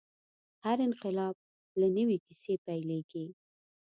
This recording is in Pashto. هر انقلاب له نوې کیسې پیلېږي.